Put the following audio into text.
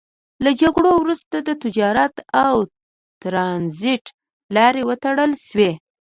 له جګړو وروسته د تجارت او ترانزیت لارې وتړل شوې.